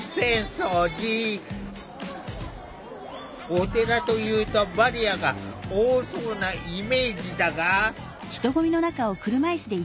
お寺というとバリアが多そうなイメージだが。